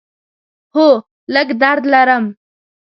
هو، لږ درد لرم